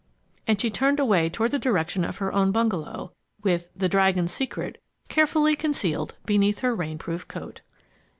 And she turned away toward the direction of her own bungalow, with "The Dragon's Secret" carefully concealed beneath her rainproof coat.